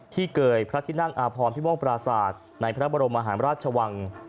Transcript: ที่เกยพระทินั่งอาภอมพิมงปราสาทในพระบรมอาหารราชวัง